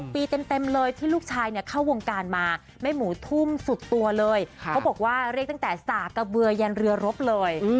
ปีเต็มเลยที่ลูกชายเนี่ยเข้าวงการมาแม่หมูทุ่มสุดตัวเลยเขาบอกว่าเรียกตั้งแต่สากะเบือยันเรือรบเลย